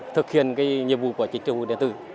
thực hiện nhiệm vụ của chính phủ điện tử